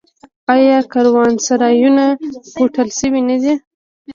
آیا کاروانسرایونه هوټل شوي نه دي؟